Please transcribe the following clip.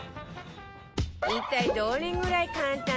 一体どれぐらい簡単なのか？